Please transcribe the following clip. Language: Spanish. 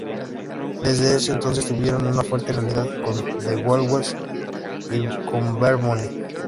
Desde ese entonces tuvieron una fuerte rivalidad con The Wolves y con Beer Money.